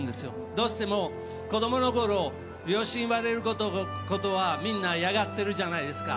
どうしても子供のころ両親に言われることはみんな嫌がってるじゃないですか。